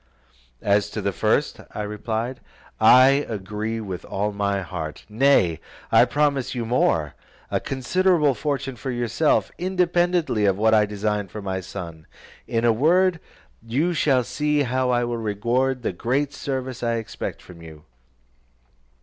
"As to the first," I replied, "I agree with all my heart: nay, I promise you more, a considerable fortune for yourself, independently of what I design for my son: in a word, you shall see how I will reward the great service I expect from you.